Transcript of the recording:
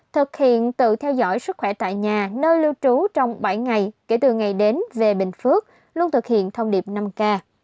thực hiện tự theo dõi sức khỏe tại nhà nơi lưu trú trong bảy ngày kể từ ngày đến về bình phước luôn thực hiện thông điệp năm k